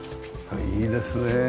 いいですね。